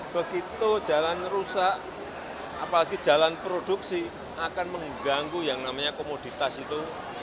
begitu jalan rusak apalagi jalan produksi akan mengganggu yang namanya komoditas itu